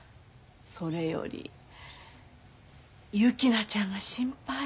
それより雪菜ちゃんが心配。